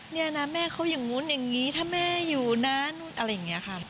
เนี่ยนะแม่เขาอย่างนู้นอย่างนี้ถ้าแม่อยู่นั้นอะไรอย่างนี้ค่ะ